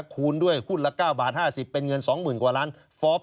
คูณด้วยหุ้นละ๙บาท๕๐เป็นเงิน๒๐๐๐กว่าล้านฟอล์ฟ